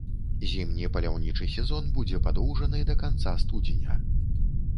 Зімні паляўнічы сезон будзе падоўжаны да канца студзеня.